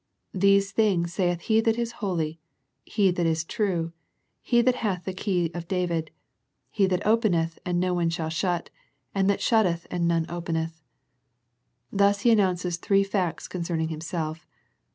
" These things saith He that is holy, He that is true. He that hath the key of David, He that openeth, and none shall shut, and that shutteth and none openeth." Thus He announces three facts concerning Himself.